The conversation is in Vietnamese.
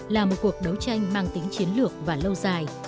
là một cuộc đấu tranh mang tính chiến lược và lâu dài